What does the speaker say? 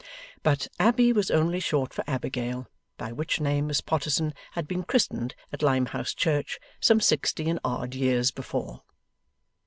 But, Abbey was only short for Abigail, by which name Miss Potterson had been christened at Limehouse Church, some sixty and odd years before.